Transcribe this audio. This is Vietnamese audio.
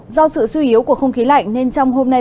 do sự suy yếu của không khí lạnh nên trong hôm nay